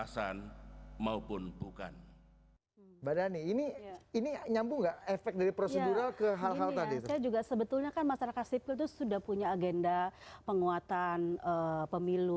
saya juga sebetulnya kan masyarakat sipil itu sudah punya agenda penguatan pemilu